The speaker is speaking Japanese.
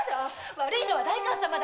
悪いのは代官様だ！